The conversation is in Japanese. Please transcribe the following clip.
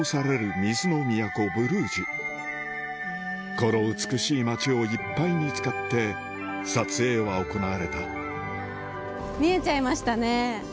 この美しい街をいっぱいに使って撮影は行われた見えちゃいましたね！